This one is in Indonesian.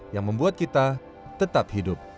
yang membuat kita tetap hidup